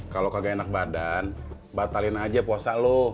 kalo kagak enak badan batalin aja puasa lo